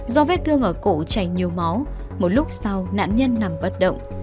do vết thương ở cổ chảy nhiều máu một lúc sau nạn nhân nằm bất động